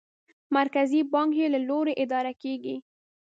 مرکزي بانک یې له لوري اداره کېږي.